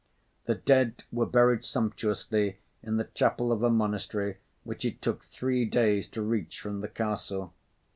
The dead were buried sumptuously in the chapel of a monastery which it took three days to reach from the castle.